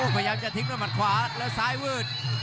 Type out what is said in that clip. พยายามจะทิ้งด้วยหมัดขวาแล้วซ้ายวืด